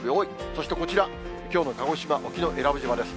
そしてこちら、きょうの鹿児島・沖永良部島です。